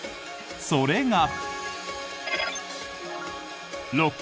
それが。